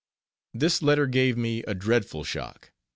_ This letter gave me a dreadful shock.